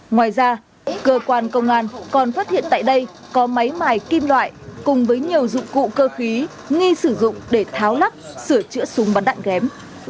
ngoài ra cơ quan công an còn phát hiện tại đây có máy mài kim loại cùng với nhiều dụng cụ cơ khí nghi sử dụng để tháo lắp sửa chữa súng bắn đạn ghém